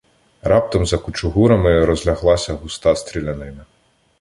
Раптом за кучугурами розляглася густа стрілянина.